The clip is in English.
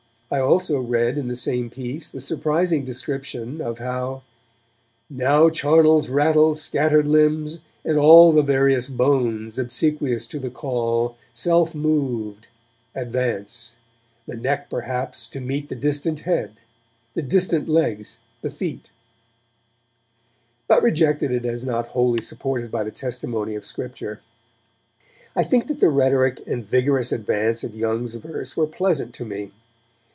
I also read in the same piece the surprising description of how Now charnels rattle, scattered limbs, and all The various bones, obsequious to the call, Self mov'd, advance the neck perhaps to meet The distant head, the distant legs the feet, but rejected it as not wholly supported by the testimony of Scripture. I think that the rhetoric and vigorous advance of Young's verse were pleasant to me.